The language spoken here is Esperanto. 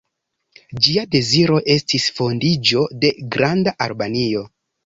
Ĝia deziro estis fondiĝo de Granda Albanio.